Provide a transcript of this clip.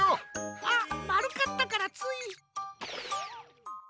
あっまるかったからつい。